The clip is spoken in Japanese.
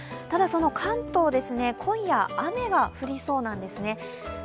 ただその関東ですね今夜、雨が降りそうなんですね。